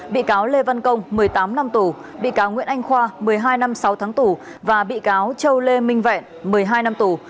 bị cáo lê văn công một mươi tám năm tù bị cáo nguyễn anh khoa một mươi hai năm sáu tháng tù và bị cáo châu lê minh vẹn một mươi hai năm tù